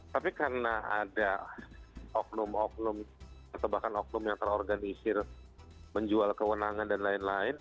tapi karena ada oknum oknum atau bahkan oknum yang terorganisir menjual kewenangan dan lain lain